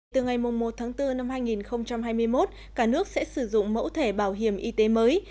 từ ngày một tháng bốn năm hai nghìn hai mươi một cả nước sẽ sử dụng mẫu thẻ bảo hiểm y tế mới